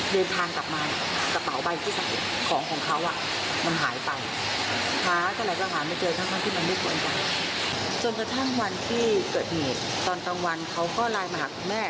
จนกระทั่งวันที่เกิดเหตุตอนตั้งวันเขาก็ไลน์มาหาคุณแม่